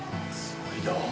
すごいど。